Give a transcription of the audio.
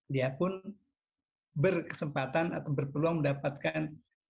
dia pun berkesempatan atau berpeluang mendapatkan